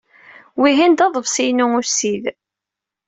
Wihin d aḍebsi-inu ussid.